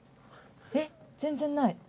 えっ全然ない。